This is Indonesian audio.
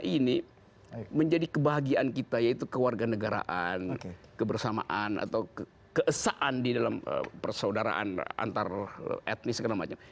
ini menjadi kebahagiaan kita yaitu kewarganegaraan kebersamaan atau keesaan di dalam persaudaraan antar etnis segala macam